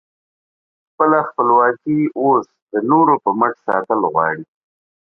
خپله خپلواکي اوس د نورو په مټ ساتل غواړې؟